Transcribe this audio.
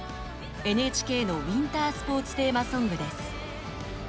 ＮＨＫのウィンタースポーツテーマソングです。